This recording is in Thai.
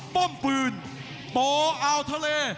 ป้อมปืนปอ่าวทะเล